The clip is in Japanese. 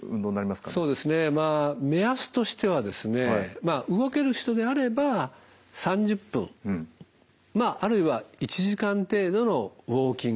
そうですねまあ目安としてはですね動ける人であれば３０分あるいは１時間程度のウォーキングですね。